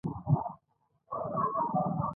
د ژړا او د خندا انداز یې یو دی.